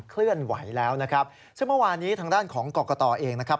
ซึ่งเมื่อวานี้ทางด้านของกรกตเองนะครับ